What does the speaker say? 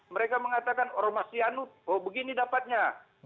mereka mengatakan ormas sianut oh begini dapatnya